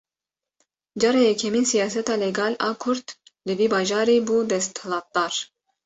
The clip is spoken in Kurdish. Cara yekemîn siyaseta legal a Kurd, li vî bajarî bû desthilatdar